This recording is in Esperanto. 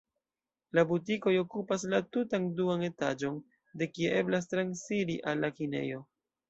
La butikoj okupas la tutan duan etaĝon, de kie eblas transiri al la kinejo.